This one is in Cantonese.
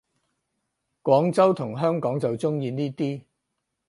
廣州同香港就鍾意呢啲